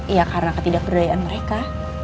iya karena ketidakberdayaan mereka